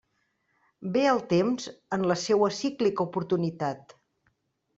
Ve el temps en la seua cíclica oportunitat.